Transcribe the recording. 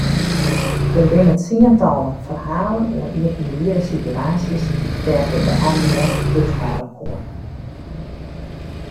Der binne tsientallen ferhalen oer iepenbiere situaasjes dêr't er de hannen net thúshâlde koe.